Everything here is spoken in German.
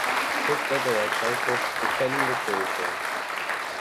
Schriftleiter der Zeitschrift "Bekennende Kirche".